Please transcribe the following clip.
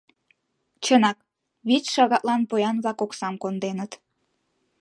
Чынак, вич шагатлан поян-влак оксам конденыт.